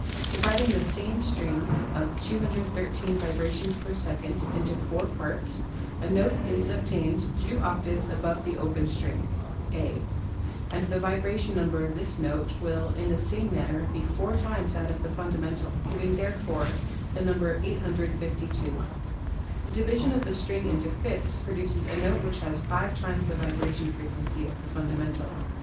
Dividing the same string of 213 vibrations per second into four parts, a note is ob tained two octaves above the open string (A'), and the vibration number of this note will, in the same manner, be four times that of the fundamental, giving therefore the number 852. The division of the string into fifths pro duces a note which has five times the vibration frequency of the fundamental.